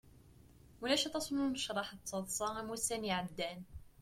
Ulac aṭas n unecraḥ d taḍsa am ussan iɛeddan.